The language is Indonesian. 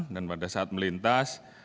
dan pada saat melintas